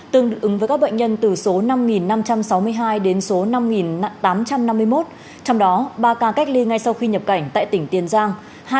tương ứng với các bệnh nhân từ số năm năm trăm sáu mươi hai đến số năm tám trăm năm mươi một trong đó ba ca cách ly ngay sau khi nhập cảnh tại tỉnh tiền giang